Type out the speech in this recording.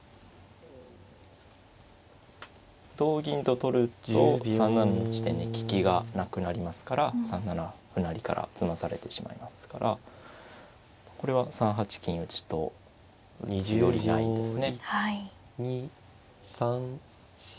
同銀と取ると３七の地点に利きがなくなりますから３七歩成から詰まされてしまいますからこれは３八金打と打つよりないですね。